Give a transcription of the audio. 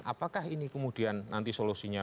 apakah ini kemudian nanti solusinya